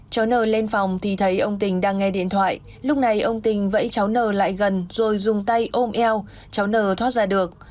cháu nờ lên phòng thì thấy ông tình đang nghe điện thoại lúc này ông tình vẫy cháu nờ lại gần rồi dùng tay ôm eo cháu nờ thoát ra được